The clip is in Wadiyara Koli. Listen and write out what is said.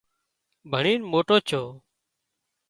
ڀڻينَ موٽو ڇو